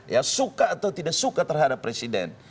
ya suka atau tidak suka terhadap presiden